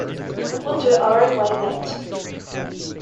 We'll do it our own way later.